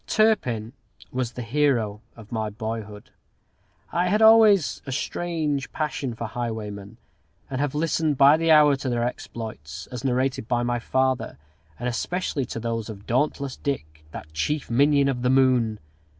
Turpin was the hero of my boyhood. I had always a strange passion for highwaymen, and have listened by the hour to their exploits, as narrated by my father, and especially to those of "Dauntless Dick," that "chief minion of the moon."